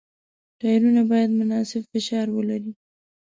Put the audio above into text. ټایرونه باید مناسب فشار ولري.